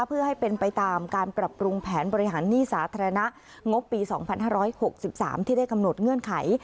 เพื่อให้เป็นไปตามการปรับปรุงแผนบริหารหนี้สาธารณะงบปี๒๕๖๓ที่ได้กำหนดเงื่อนไข